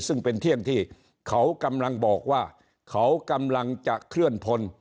ซึ่งเป็นเที่ยงที่เขากำลังบอกว่าเขากำลังจะเคลื่อนพล